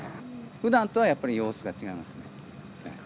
ふだんとはやっぱり様子が違いますね。